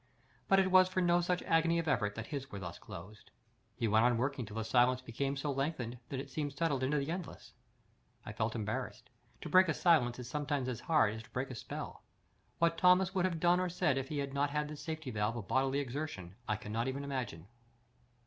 But it was for no such agony of effort that his were thus closed. He went on working till the silence became so lengthened that it seemed settled into the endless. I felt embarrassed. To break a silence is sometimes as hard as to break a spell. What Thomas would have done or said if he had not had this safety valve of bodily exertion, I cannot even imagine.